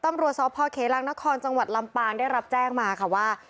ต้อนรับตรวจสอบพ่อเคลังนักคลจังหวัดลำปางได้รับแจ้งมาค่ะว่า